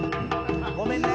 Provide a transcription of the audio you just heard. ごめんね。